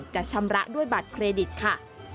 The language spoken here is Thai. ชำระด้วยบัตรเครดิตค่ะ